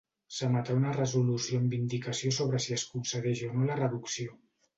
S'emetrà una resolució amb indicació sobre si es concedeix o no la reducció.